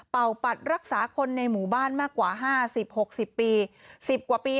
เป่าปัดรักษาคนในหมู่บ้านมากกว่าห้าสิบหกสิบปี